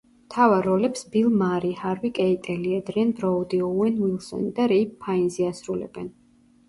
მთავარ როლებს ბილ მარი, ჰარვი კეიტელი, ედრიენ ბროუდი, ოუენ უილსონი და რეიფ ფაინზი ასრულებენ.